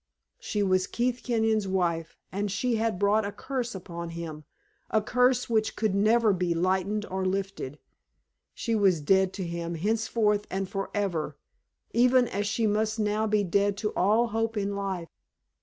She was Keith Kenyon's wife, and she had brought a curse upon him a curse which could never be lightened or lifted. She was dead to him henceforth and forever, even as she must now be dead to all hope in life.